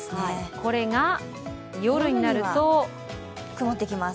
これが夜になると曇ってきます。